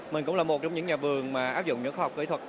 mình cũng là một trong những nhà vườn mà áp dụng những khoa học kỹ thuật